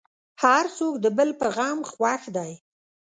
هر څوک د بل په غم خوښ دی.